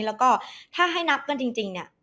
แล้วก็ถ้าให้นับกันจริงเนี่ย